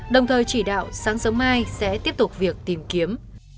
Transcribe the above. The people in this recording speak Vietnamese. đồng thời chỉ đạo sáng sớm mai sẽ tiếp tục việc tìm kiếm